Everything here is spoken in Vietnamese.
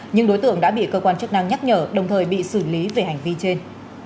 nhưng đối tượng đã bị cơ quan chức năng nhắc nhở đồng thời bị xử lý về hành vi trên